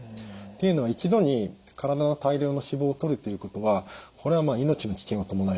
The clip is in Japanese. っていうのは一度に体の大量の脂肪をとるということはこれはまあ命の危険を伴います。